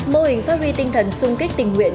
mô hình phát huy tinh thần sung kích tình nguyện